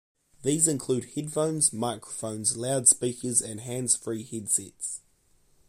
These include headphones, microphones, loudspeakers, and handsfree headsets.